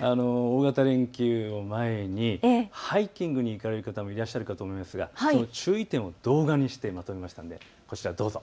大型連休を前にハイキングに行かれる方もいらっしゃると思いますがその注意点を動画にしてまとめましたのでどうぞ。